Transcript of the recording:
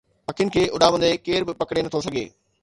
پکين کي اڏامندي ڪير به پڪڙي نٿو سگهي